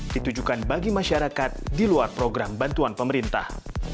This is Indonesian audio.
ditujukan bagi masyarakat di luar program bantuan pemerintah